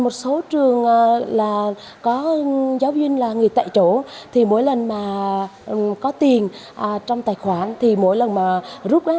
thường là có giáo viên là người tại chỗ thì mỗi lần mà có tiền trong tài khoản thì mỗi lần mà rút